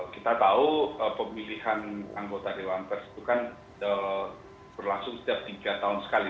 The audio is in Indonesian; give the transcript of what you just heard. kita tahu pemilihan anggota dewan pers itu kan berlangsung setiap tiga tahun sekali